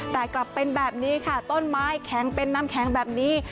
แต่กลับเป็นแบบนี้ค่ะต้นไม้แข็งเป็นน้ำแข็งแบบนี้